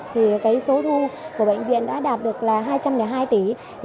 thì số thu của bệnh viện đã đạt được là hai trăm linh hai tỷ